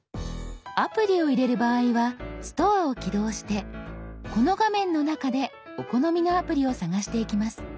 アプリを入れる場合は「ストア」を起動してこの画面の中でお好みのアプリを探していきます。